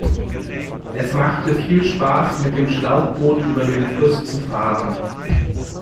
Es machte viel Spaß mit dem Schlauchboot über den Fluss zu fahren.